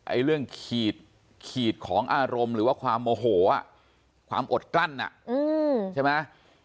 ไอ้เรื่องขีดของอารมณ์หรือว่าความโอโหอ่ะความอดกลั้นอ่ะใช่ไหม